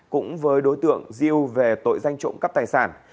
cũng với đối tượng diêu về tội danh trộm cắp tài sản